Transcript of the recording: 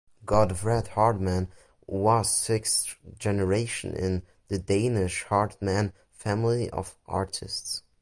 Godfred Hartmann was sixth generation in the Danish Hartmann family of artists.